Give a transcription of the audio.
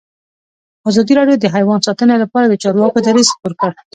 ازادي راډیو د حیوان ساتنه لپاره د چارواکو دریځ خپور کړی.